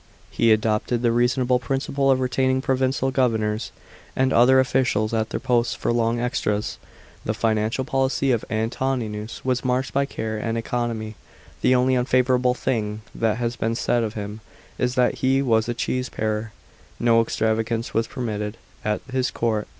He adopted the reasonable prin ciple of retaining provincial governors and other officials at their posts for long terras. The financial policy of Antoninus was marked by care and economy. The only unfavourable thing that has been said of him is that he was a " cheese parer." * No extravagance was permitted at his court.